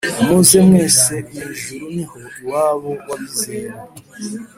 muze mwese mwijuru niho iwabo wabizera